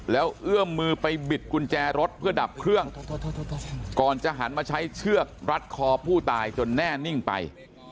แล้วเอื้อมมือไปบิดกุญแจรถเพื่อดับเครื่องก่อนจะหันมาใช้เชือกรัดคอผู้ตายจนแน่นิ่งไป